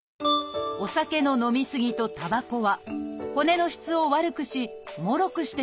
「お酒の飲み過ぎ」と「たばこ」は骨の質を悪くしもろくしてしまいます。